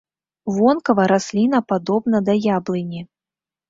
Вонкава расліна падобна да яблыні.